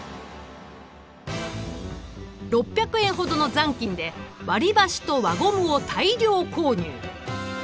６００円ほどの残金で割りばしと輪ゴムを大量購入。